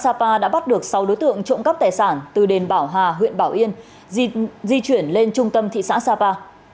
công an thị xã sapa đã bắt được sáu đối tượng trộm cắp tài sản từ đền bảo hà huyện bảo yên di chuyển lên trung tâm thị xã sapa